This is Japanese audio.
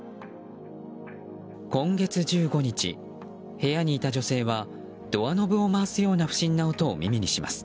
今月１５日、部屋にいた女性はドアノブを回すような不審な音を耳にします。